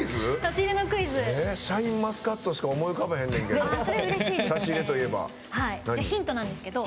シャインマスカットしか思い浮かばへんねんけど。